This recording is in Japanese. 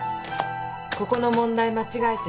ここの問題間違えてる。